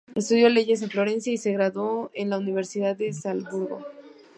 Estudió leyes en Florencia, y se graduó en la Universidad de Salzburgo.